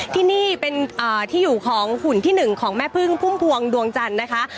ที่นี่เป็นที่อยู่ของหุ่นที่๑ของแม่พึ่งพุ่มพวงดวงจันทร์นะคะ